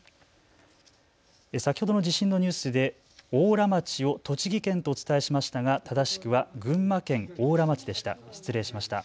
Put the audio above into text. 先ほどの地震のニュースで邑楽町を栃木県とお伝えしましたが正しくは群馬県邑楽町でした。